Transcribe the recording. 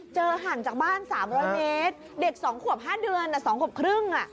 เจอหั่นจากบ้าน๓๐๐เมตรเด็กสองขวบ๕เดือนสองขวบครึ่ง